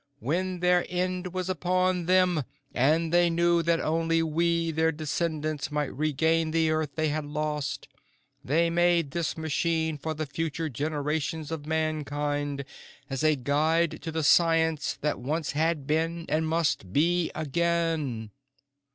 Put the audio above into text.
When their end was upon them, and they knew that only we, their descendants, might regain the Earth they had lost, they made this machine for the future generations of Mankind as a guide to the science that once had been and must be again."